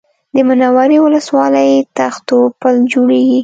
د منورې ولسوالۍ تختو پل جوړېږي